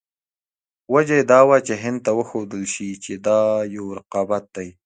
وجه یې دا وه چې هند ته وښودل شي چې دا یو رقابت دی.